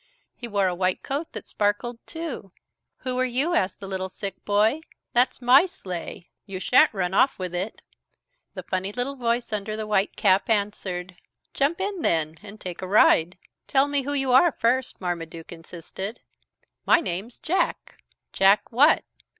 He wore a white coat that sparkled too. "Who are you?" asked the little sick boy. "That's my sleigh. You shan't run off with it." And the funny voice under the white cap answered. "Jump in, then, and take a ride." "Tell me who you are, first," Marmaduke insisted. "My name's Jack." "Jack what?"